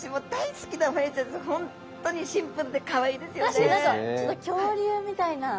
確かに何かちょっと恐竜みたいな。